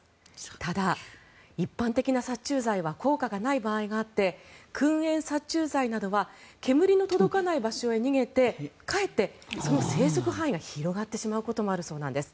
ただ、一般的な殺虫剤は効果がない場合があって燻煙殺虫剤などは煙の届かない場所へ逃げてかえってその生息範囲が広がってしまうこともあるそうなんです。